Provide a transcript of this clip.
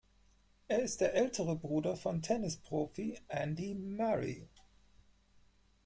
Er ist der ältere Bruder von Tennisprofi Andy Murray.